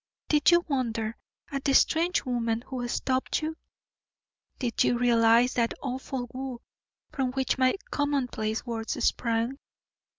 Did you wonder at the strange woman who stopped you? Did you realise the awful woe from which my commonplace words sprang?